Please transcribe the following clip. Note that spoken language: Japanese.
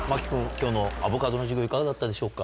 今日のアボカドの授業いかがだったでしょうか？